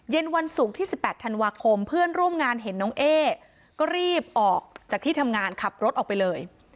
วันศุกร์ที่๑๘ธันวาคมเพื่อนร่วมงานเห็นน้องเอ๊ก็รีบออกจากที่ทำงานขับรถออกไปเลย